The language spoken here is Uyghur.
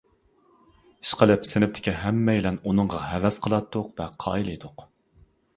ئىشقىلىپ سىنىپتىكى ھەممەيلەن ئۇنىڭغا ھەۋەس قىلاتتۇق ۋە قايىل ئىدۇق.